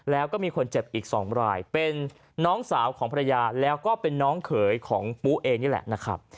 แล้วก็มีคนเจ็บอีก๒รายเป็นน้องสาวของภรรยาแล้วก็เป็นน้องเขยของปุ๊เองนี่แหละนะครับ